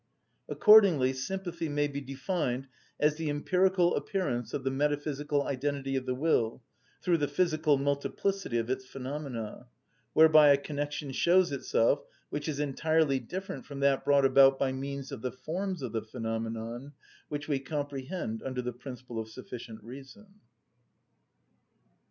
Accordingly sympathy may be defined as the empirical appearance of the metaphysical identity of the will, through the physical multiplicity of its phenomena, whereby a connection shows itself which is entirely different from that brought about by means of the forms of the phenomenon which we comprehend under the principle of sufficient reason.